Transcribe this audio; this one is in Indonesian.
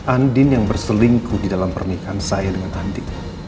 andi yang berselingkuh di dalam permikiran saya dengan andi